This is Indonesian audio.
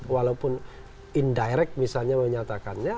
walaupun indirect misalnya menyatakannya